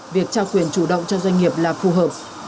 việc trao quyền chủ động cho doanh nghiệp là phù hợp